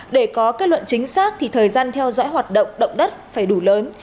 để có kết luận chính xác thì thời gian theo dõi hoạt động động đất phải đủ lớn